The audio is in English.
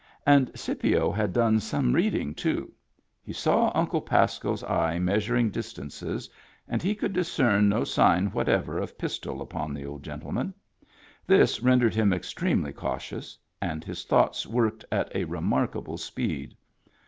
And Scipio had done some reading, too. He saw Uncle Pasco's eye measuring dis tances, and he could discern no sign whatever of pistol upon the old gentleman. This rendered him extremely cautious, and his thoughts worked at a remarkable speed.